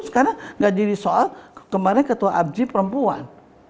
sekarang gak jadi soal kemarin ketua abji perempuan